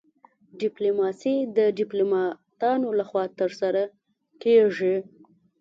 ډیپلوماسي د ډیپلوماتانو لخوا ترسره کیږي